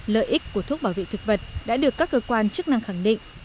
lợi ích của thuốc bảo vệ thực vật đã được các cơ quan chức năng khẳng định